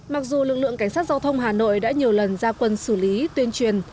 mặc dù lực lượng cảnh sát giao thông hà nội đã nhiều lần ra quân xử lý tuyên truyền